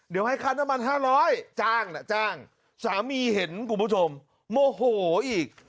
เดี๋ยวให้ค่าน้ำมัน๕๐๐จ้างน่ะจ้างสามีเห็นคุณผู้ชมโมโหอีก